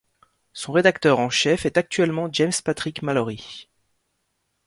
Son rédacteur en chef est actuellement James Patrick Mallory.